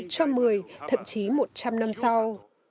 cho một mươi thậm chí một trăm linh năm sau